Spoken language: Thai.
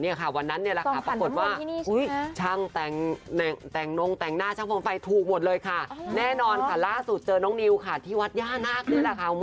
เนี่ยค่ะวันนั้นนี่แหละค่ะปรากฏว่าโบราณนั้นมันต้องขัดน้ำมนที่นี่ใช่ไหม